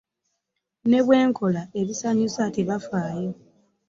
Ne bwe nkola ebisanyusa tebafaayo.